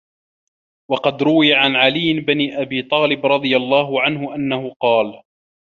وَقَدْ رُوِيَ عَنْ عَلِيِّ بْنِ أَبِي طَالِبٍ رَضِيَ اللَّهُ عَنْهُ أَنَّهُ قَالَ